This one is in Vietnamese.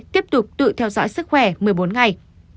tiếp tục tự theo dõi sức khỏe một mươi bốn ngày